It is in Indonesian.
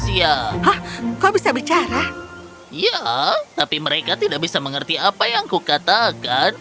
itu menurut aku orang ilmu inienger siapapun yang kuil dessasamu